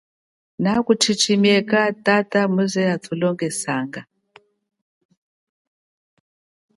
Naku chichimieka tata hachize atulongesanga.